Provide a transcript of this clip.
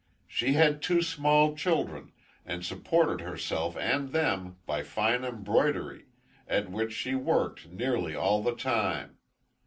She had two small children, and supported herself and them by fine embroidery, at which she worked nearly all the time.